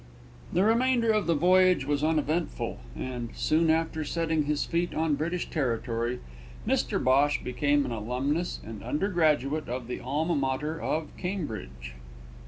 The remainder of the voyage was uneventful, and, soon after setting his feet on British territory, Mr Bhosh became an alumnus and undergraduate of the Alma Mater of Cambridge.